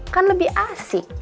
kan lebih asik